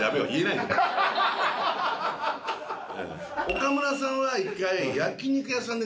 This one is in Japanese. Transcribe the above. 岡村さんは一回。